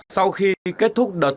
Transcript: sau khi kết thúc đợt